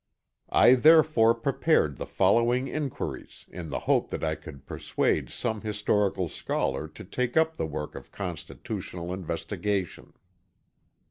I therefore prepared the following inquiries in the hope that I could persuade some historical scholar to take up this work of Constitutional investigation.